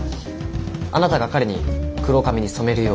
あなたが彼に黒髪に染めるよう強要したと？